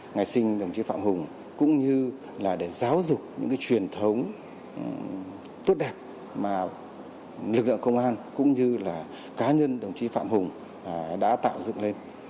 ngày sinh đồng chí phạm hùng cũng như là để giáo dục những truyền thống tốt đẹp mà lực lượng công an cũng như là cá nhân đồng chí phạm hùng đã tạo dựng lên